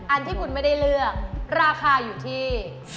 อันที่คุณไม่ได้เลือกราคาอยู่ที่